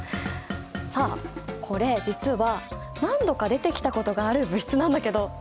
さあこれ実は何度か出てきたことがある物質なんだけど！